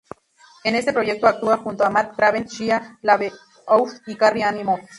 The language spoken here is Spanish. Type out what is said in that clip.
En este proyecto actuó junto a Matt Craven, Shia LaBeouf y Carrie-Anne Moss.